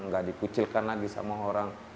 nggak dikucilkan lagi sama orang